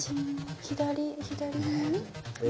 左左耳え